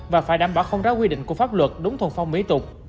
và phải đảm bảo không ráo quy định của pháp luật đúng thuần phong mỹ tục